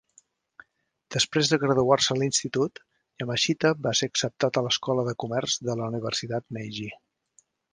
Després de graduar-se a l'institut, Yamashita va ser acceptat a l'Escola de Comerç de la Universitat Meiji.